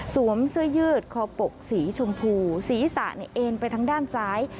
เสื้อยืดคอปกสีชมพูศีรษะเอ็นไปทางด้านซ้าย